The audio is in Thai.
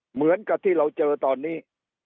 เหมือนกับที่เราเจอตอนนี้